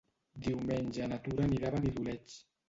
Diumenge na Tura anirà a Benidoleig.